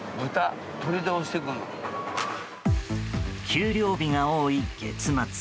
給料日が多い月末。